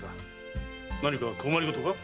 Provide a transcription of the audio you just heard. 何か困りごとか？